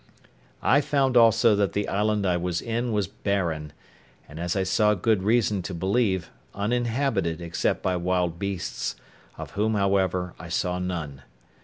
I found also that the island I was in was barren, and, as I saw good reason to believe, uninhabited except by wild beasts, of whom, however, I saw none.